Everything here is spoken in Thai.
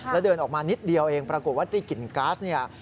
แล้วเดินออกมานิดเดียวเองปรากฏว่าได้กลิ่นก๊าซเนี่ย